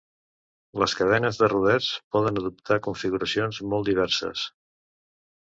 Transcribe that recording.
Les cadenes de rodets poden adoptar configuracions molt diverses.